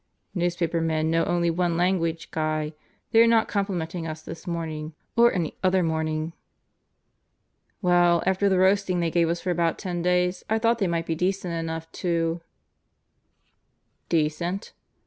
"Newspapermen know only one language, Guy. They are not complimenting us this morning or any other morning." "Well, after the roasting they gave us for about ten days, I thought they might be decent enough to " "Decent?"